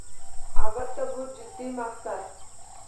Albatta, bu juda jiddiy maqsad.